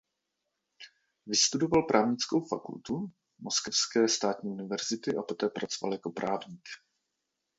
Vystudoval právnickou fakultu Moskevské státní univerzity a poté pracoval jako právník.